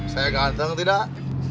saya ganteng tidak